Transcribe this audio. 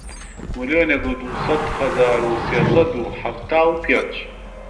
ملیۆنێک و دوو سەد هەزار و سێ سەد و حەفتا و پێنج